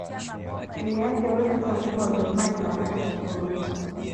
timu yake waloshinda ubingwa wa Ujerumani mara tatu mfululizo